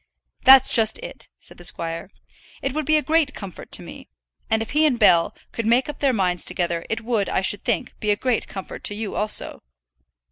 "That's just it," said the squire. "It would be a great comfort to me. And if he and Bell could make up their minds together, it would, I should think, be a great comfort to you also."